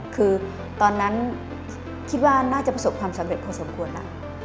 คือตอนนั้นคิดว่าน่าจะประสบความสำเร็จพอสมควรแล้ว